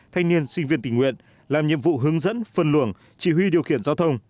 thanh niên sinh viên tình nguyện làm nhiệm vụ hướng dẫn phân luồng chỉ huy điều khiển giao thông